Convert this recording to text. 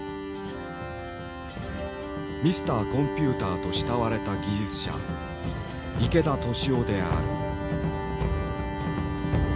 「ミスター・コンピューター」と慕われた技術者池田敏雄である。